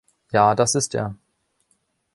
Ja, das ist er.